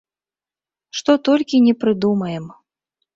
Што толькі не прыдумаем.